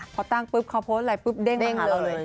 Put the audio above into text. พอตั้งปุ๊บคอพสไหล่ปุ๊บเด้งมาหาเรา